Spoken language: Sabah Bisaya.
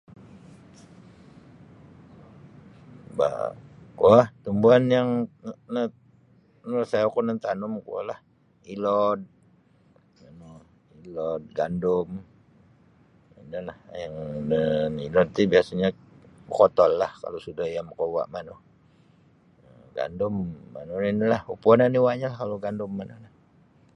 Bah kuo tumbuhan yang nut inusahaku nantanum kuolah ilod ilod gandum inolah yang no ilod ti biasanyo bokotollah kalau sudah iyo makauwa' manu gandum manu ninilah upuwon oni uwa'nyo kalau gandum oni'.